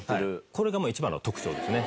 これが一番の特徴ですね。